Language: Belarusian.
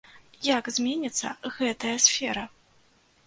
Як зменіцца гэтая сфера?